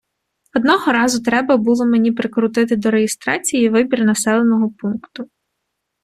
Одного разу треба було мені прикрутити до реєстрації вибір населеного пункту.